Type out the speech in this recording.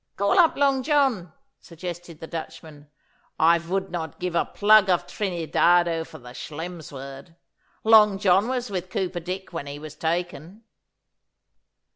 'Call up Long John,' suggested the Dutchman. 'I vould not give a plug of Trinidado for the Schelm's word. Long John was with Cooper Dick when he was taken.